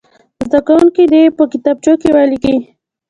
زده کوونکي دې یې په کتابچو کې ولیکي.